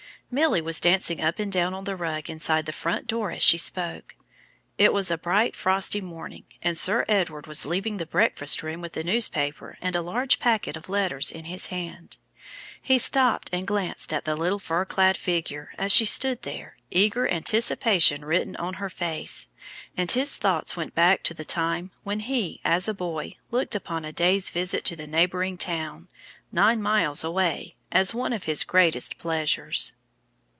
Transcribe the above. Milly was dancing up and down on the rug inside the front door as she spoke. It was a bright, frosty morning, and Sir Edward was leaving the breakfast room with the newspaper and a large packet of letters in his hand. He stopped and glanced at the little fur clad figure as she stood there, eager anticipation written on her face, and his thoughts went back to the time when he as a boy looked upon a day's visit to the neighboring town nine miles away as one of his greatest pleasures.